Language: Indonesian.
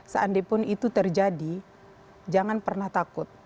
seandai pun itu terjadi jangan pernah takut